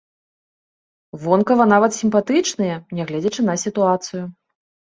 Вонкава нават сімпатычныя, нягледзячы на сітуацыю.